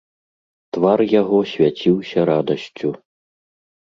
Твар яго свяціўся радасцю.